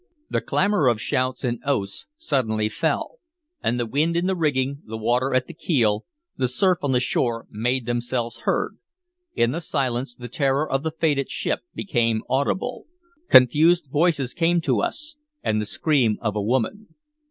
The clamor of shouts and oaths suddenly fell, and the wind in the rigging, the water at the keel, the surf on the shore, made themselves heard. In the silence, the terror of the fated ship became audible. Confused voices came to us, and the scream of a woman.